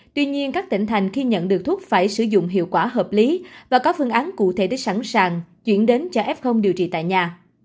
tuy nhiên các tỉnh thành khi nhận được thuốc phải sử dụng hiệu quả hợp lý và có phương án cụ thể để sẵn sàng chuyển đến cho f điều trị tại nhà